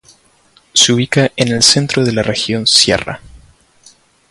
Se ubica en el centro de la Región Sierra.